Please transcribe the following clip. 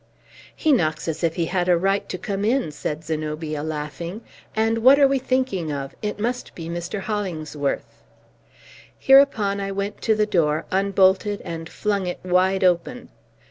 "He knocks as if he had a right to come in," said Zenobia, laughing. "And what are we thinking of? It must be Mr. Hollingsworth!" Hereupon I went to the door, unbolted, and flung it wide open.